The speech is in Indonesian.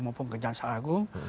maupun kejasa agung